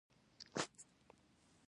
راځه چې یوه جوړه کړو جونګړه په ځنګل کښې